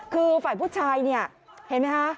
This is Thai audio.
คือฝ่ายผู้ชายเนี่ยเห็นไหมคะ